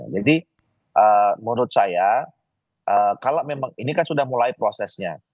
jadi menurut saya kalau memang ini kan sudah mulai prosesnya